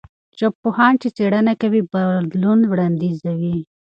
ژبپوهان چې څېړنه کوي، بدلون وړاندیزوي.